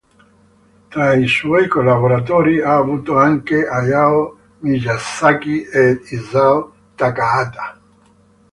Tra i suoi collaboratori ha avuto anche Hayao Miyazaki ed Isao Takahata.